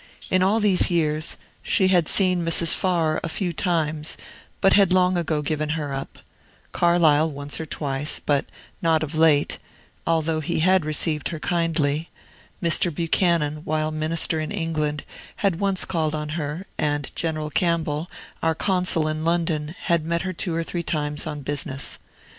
In all these years, she had seen Mrs. Farrar a few times, but had long ago given her up, Carlyle once or twice, but not of late, although he had received her kindly; Mr. Buchanan, while Minister in England, had once called on her, and General Campbell, our Consul in London, had met her two or three times on business.